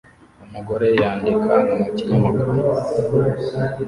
Umugore yandika mu kinyamakuru